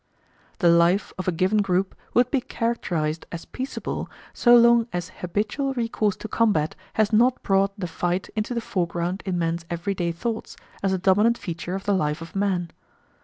The life of a given group would be characterised as peaceable so long as habitual recourse to combat has not brought the fight into the foreground in men's every day thoughts, as a dominant feature of the life of man.